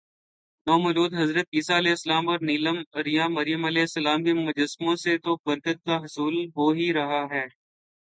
نومولود حضرت عیسی ؑ اور نیم عریاں مریم ؑ کے مجسموں سے تو برکت کا حصول ہو ہی رہا ہے